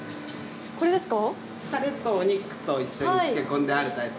これですか？